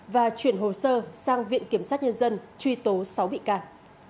và chuyển hồ sơ sang viện kiểm sát nhân dân truy tố sáu bị can